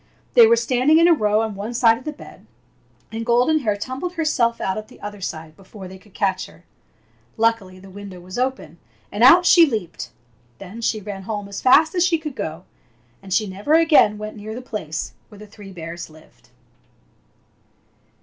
They were standing in a row on one side of the bed, and Golden Hair tumbled herself out at the other side before they could catch her. Luckily the window was open, and out she leaped. Then she ran home as fast as she could go, and she never again went near the place where the three bears lived.